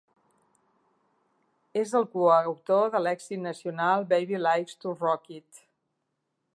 És el coautor de l'èxit nacional "Baby Likes to Rock It".